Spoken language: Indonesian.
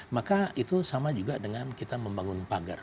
maka itu sama juga dengan kita membangun pagar